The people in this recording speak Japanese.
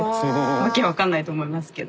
訳わかんないと思いますけど。